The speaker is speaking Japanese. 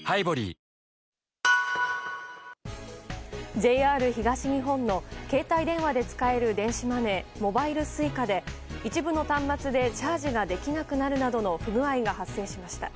ＪＲ東日本の携帯電話で使える電子マネーモバイルＳｕｉｃａで一部の端末でチャージができなくなるなどの不具合が発生しました。